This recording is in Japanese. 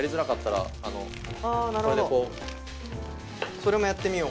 それもやってみよう。